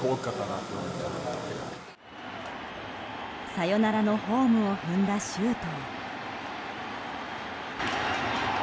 サヨナラのホームを踏んだ周東。